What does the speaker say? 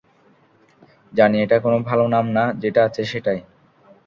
জানি এটা কোনো ভালো নাম না, যেটা আছে সেটাই।